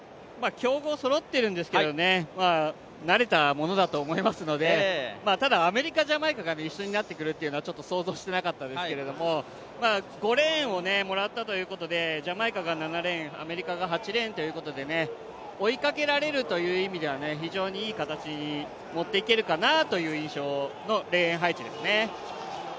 強豪そろってるんですけど慣れたものだと思いますのでただアメリカ、ジャマイカが一緒になってくるというのは想像してなかったですけども５レーンをもらったということで、ジャマイカが７レーン、アメリカが８レーンということで、追いかけられるという意味では非常にいい形に持っていけるかなという印象のレーン配置ですね。